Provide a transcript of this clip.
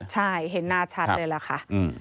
ใช่เห็นหน้าชัดเลยล่ะค่ะ